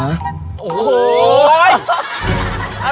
อร่อยอร่อย